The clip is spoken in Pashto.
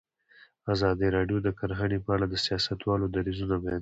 ازادي راډیو د کرهنه په اړه د سیاستوالو دریځ بیان کړی.